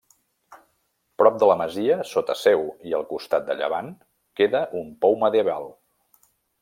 Prop de la masia, sota seu i al costat de llevant, queda un pou medieval.